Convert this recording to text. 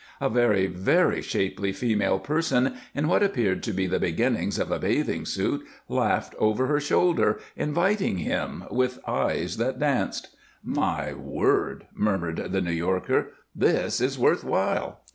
A very, very shapely female person, in what appeared to be the beginnings of a bathing suit, laughed over her shoulder, inviting him, with eyes that danced. "My word!" murmured the New Yorker. "This is worth while."